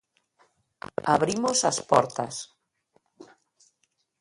Abrimos as portas.